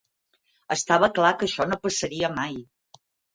Estava clar que això no passaria mai.